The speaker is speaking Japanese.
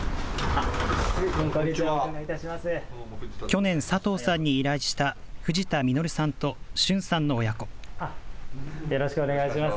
去年、佐藤さんに依頼した藤田実さんと、瞬さんの親子。